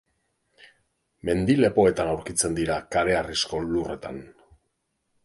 Mendi-lepoetan aurkitzen dira kareharrizko lurretan.